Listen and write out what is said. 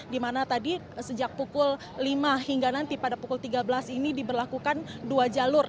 dimana tadi sejak pukul lima hingga nanti pada pukul tiga belas ini diberlakukan dua jalur